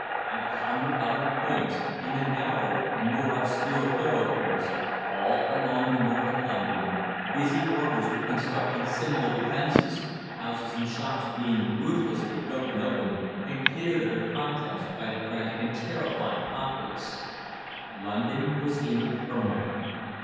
At a hundred other points, in the narrower and more obscure thoroughfares, all along the north of London, busy workers were constructing similar defences, houses and shops being ruthlessly broken open and cleared of their contents by the frantic and terrified populace. London was in a ferment.